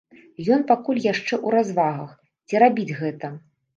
Ён пакуль яшчэ ў развагах, ці рабіць гэта.